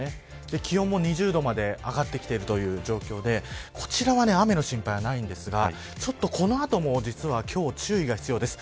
気温も２０度まで上がってきているという状況でこちらは雨の心配はないんですがちょっと、この後も実は注意が必要です。